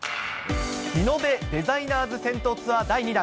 リノベ・デザイナーズ銭湯ツアー第２弾！